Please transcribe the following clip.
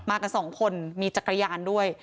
กันสองคนมีจักรยานด้วย